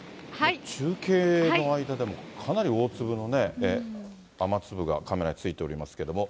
中継の間でもかなり大粒のね、雨粒がカメラについておりますけれども。